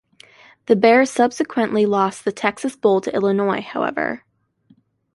The Bears subsequently lost the Texas Bowl to Illinois, however.